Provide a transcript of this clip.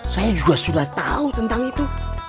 saya juga sudah tahu tentang itu